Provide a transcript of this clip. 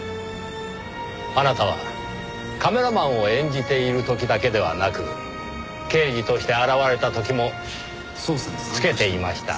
あなたはカメラマンを演じている時だけではなく刑事として現れた時も着けていました。